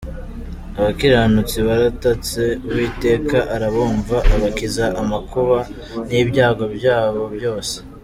Abakiranutsi baratatse Uwiteka arabumva, Abakiza amakuba n’ibyago byabo byose.